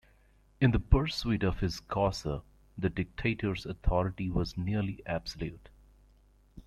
In the pursuit of his "causa", the dictator's authority was nearly absolute.